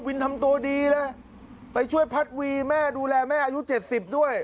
ทำตัวดีเลยไปช่วยพัดวีแม่ดูแลแม่อายุเจ็ดสิบด้วย